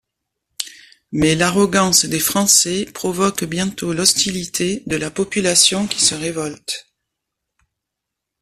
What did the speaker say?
Mais l'arrogance des Français provoque bientôt l'hostilité de la population qui se révolte.